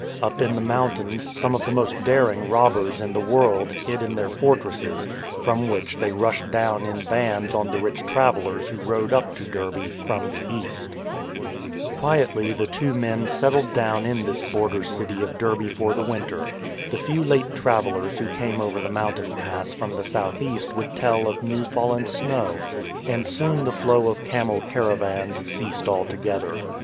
Up in the mo .ntains some of the most daring robbers in the wo; ld hid in their fortresses, from which they rushed down in bands on the rich travellers who rode up to Derbe from the east. Quietly the two men settled down in this border city of Derbe for the winter. The few late travellers who came over the mountain pass from the south east would tell of new fallen snow; and soon the flow of camel caravans ceased altogether.